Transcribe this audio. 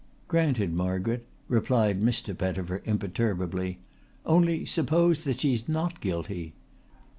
"Granted, Margaret," replied Mr. Pettifer imperturbably. "Only suppose that she's not guilty.